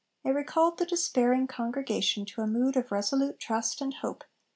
It recalled the despairing Congregation to a mood of resolute trust and hope.